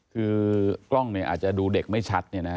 คือกล้องเนี่ยอาจจะดูเด็กไม่ชัดเนี่ยนะ